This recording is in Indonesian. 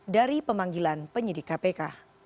dari pemanggilan penyidik kpk